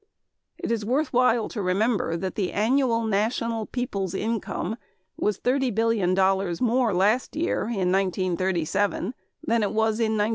It is worthwhile to remember that the annual national people's income was thirty billion dollars more last year in 1937 than it was in 1932.